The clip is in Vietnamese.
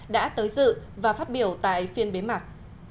đã tới dự và phát biểu tại phiên bế mạc